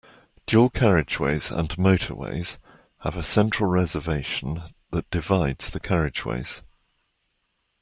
Dual-carriageways and motorways have a central reservation that divides the carriageways